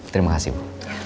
terima kasih bu